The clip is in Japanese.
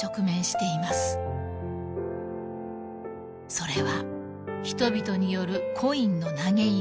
［それは人々によるコインの投げ入れ］